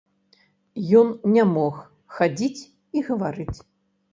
Ён не мог хадзіць і гаварыць.